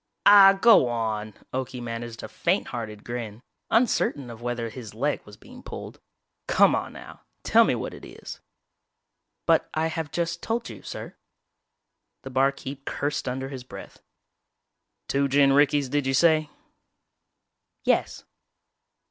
"Aw, go on!" Okie managed a fainthearted grin, uncertain of whether his leg was being pulled. "Come on now, tell me what it is." "But I have just told you, sir." The barkeep cursed under his breath. "Two gin rickeys, did you say?" "Yes."